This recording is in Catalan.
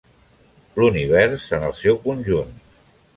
L'univers en el seu conjunt.